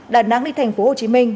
đà nẵng đi thành phố hồ chí minh